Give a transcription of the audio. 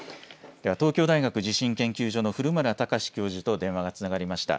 東京大学地震研究所の古村孝志教授と電話がつながりました。